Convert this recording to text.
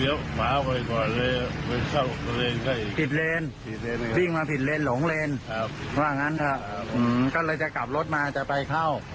ยังไม่เห็นรถที่เขาวิ่งมาไหม